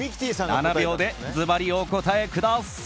７秒でズバリお答えください。